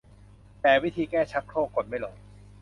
แปด วิธีแก้ชักโครกกดไม่ลง